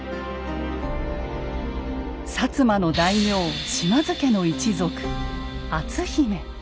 薩摩の大名島津家の一族篤姫。